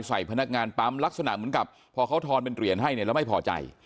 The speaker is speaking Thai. ใส่พนักงานปั๊มลักษณะเหมือนกับพอเขาทอนเป็นเหรียญให้เนี่ยแล้วไม่พอใจ